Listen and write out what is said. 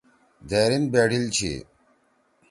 دھیریِن بیڑیِل چھی